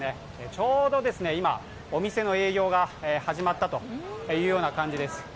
ちょうど今、お店の営業が始まったという感じです。